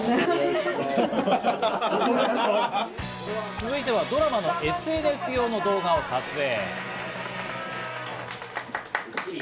続いてはドラマのＳＮＳ用の動画を撮影。